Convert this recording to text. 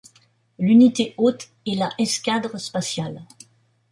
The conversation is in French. L'unité hôte est la escadre spatiale.